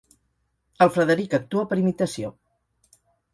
El Frederic actua per imitació.